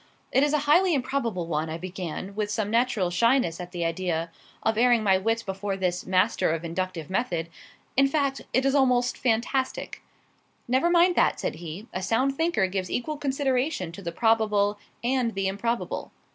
"It is a highly improbable one," I began with some natural shyness at the idea of airing my wits before this master of inductive method; "in fact, it is almost fantastic." "Never mind that," said he. "A sound thinker gives equal consideration to the probable and the improbable."